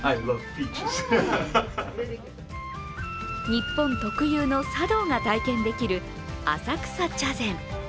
日本特有の茶道が体験できる浅草茶禅。